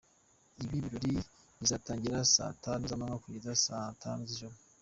Ibi birori bizatangira saa tanu z’amanywa kugeza saa tanu z’ijoro.